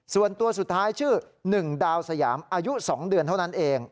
ส่วนตัวสุดท้ายชื่อ๑ดาวสยามอายุ๒เดือนเท่านั้นเอง